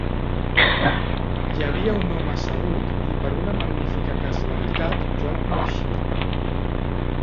Hi havia un home assegut i, per una magnífica casualitat, jo el coneixia.